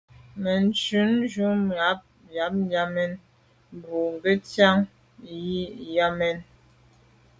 Mɛ̂n nshûn ὰm bə α̂ Yâmɛn Bò kə ntsiaŋ i α̂ Yâmɛn.